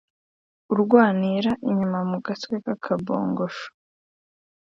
uryanira inyuma mugatwe kakabongosho